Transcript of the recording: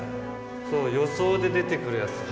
そう予想で出てくるやつだ。